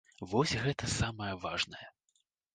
Вось гэта самае важнае.